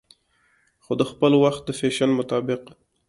خو دخپل وخت د فېشن مطابق